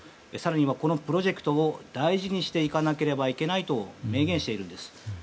更にはこのプロジェクトを大事にしていかなければいけないと明言しているんです。